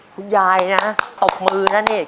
คุณยายนะตบมือนะนี่